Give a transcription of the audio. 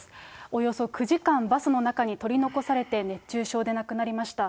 およそ９時間バスの中に取り残されて、熱中症で亡くなりました。